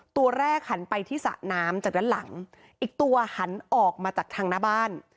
ตัวแรกหันไปที่สระน้ำจากด้านหลังอีกตัวหันออกมาจากทางหน้าบ้าน